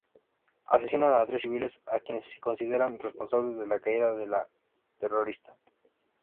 Asesinan a tres civiles, a quienes consideran responsables de la caída de un terrorista.